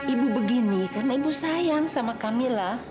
ibu begini karena ibu sayang sama camilla